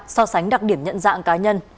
so sánh đặc điểm nhận dạng cá nhân